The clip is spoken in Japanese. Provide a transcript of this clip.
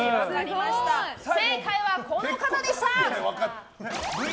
正解はこの方でした。